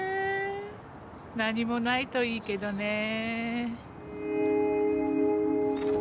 何もないといいけどね。ねぇ？